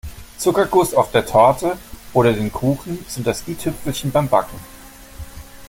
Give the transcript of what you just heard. Zuckerguss auf der Torte oder den Kuchen sind das I-Tüpfelchen beim Backen.